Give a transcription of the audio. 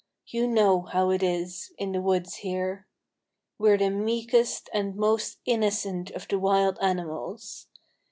You know how it is with us in the woods here. We're the meekest and most innocent of the wild animals.